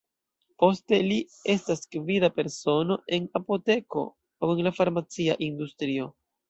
Poste li estas gvida persono en apoteko aŭ en la farmacia industrio.